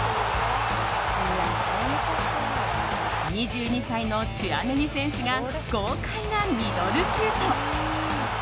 ２２歳のチュアメニ選手が豪快なミドルシュート。